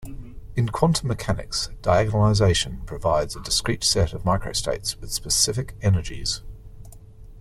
In quantum mechanics, diagonalization provides a discrete set of microstates with specific energies.